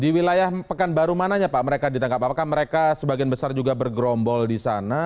di wilayah pekanbaru mananya pak mereka ditangkap apakah mereka sebagian besar juga bergerombol di sana